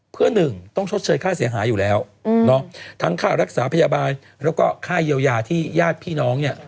เพื่อหนึ่งต้องชดเชยค่าเสียหายอยู่แล้วทั้งค่ารักษาพยาบาลแล้วก็ค่าเยียวยาที่ญาติพี่น้องเนี่ย